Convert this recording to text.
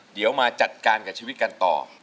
เดี๋ยวมาจัดการกับชีวิตกันต่อ